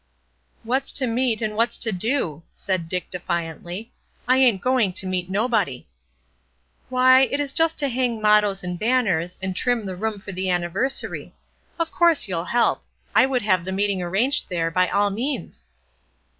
"What's to meet, and what's to do?" said Dick, defiantly. "I ain't going to meet nobody." "Why, it is just to hang mottoes and banners, and trim the room for the Anniversary. Of course you'll help; I would have the meeting arranged there by all means."